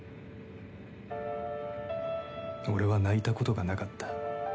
俺は泣いたことがなかった。